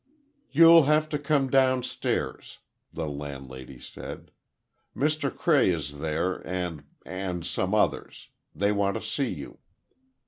"You'll have to come down stairs," the landlady said; "Mr. Cray is there, and—and some others. They want to see you."